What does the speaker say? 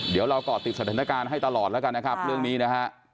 เดี๋ยวเราก่อติดสถานการณ์ให้ตลอดแล้วกันนะครับเรื่องนี้นะฮะ